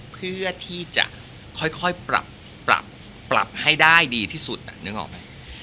เพื่อที่จะค่อยปรับปรับให้ได้ดีที่สุดนึกออกไหม